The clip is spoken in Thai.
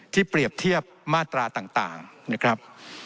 เปรียบเทียบมาตราต่างนะครับ